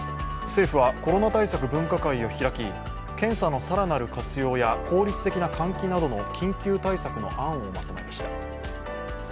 政府はコロナ対策分科会を開き、検査の更なる活用や効率的な換気などの緊急対策の案をまとめました。